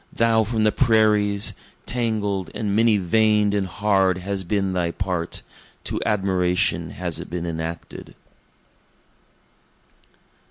Thou from the prairies! tangled and many vein'd and hard has been thy part, To admiration has it been enacted!